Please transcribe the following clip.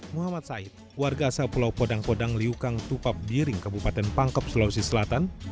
muhammad said warga asal pulau podang podang liukang tupabdiring kabupaten pangkep sulawesi selatan